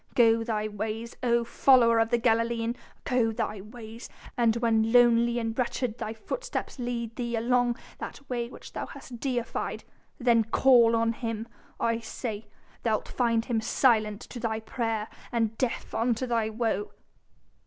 Go thy ways, O follower of the Galilean! go thy ways! and when lonely and wretched thy footsteps lead thee along that way which thou hast deified, then call on him, I say thou'lt find him silent to thy prayer and deaf unto thy woe!"